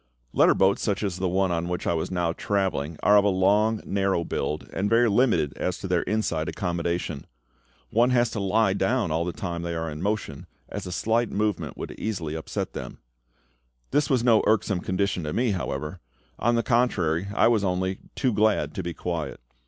Letter boats such as the one on which I was now travelling are of a long narrow build, and very limited as to their inside accommodation. One has to lie down all the time they are in motion, as a slight movement would easily upset them. This was no irksome condition to me, however; on the contrary, I was only too glad to be quiet.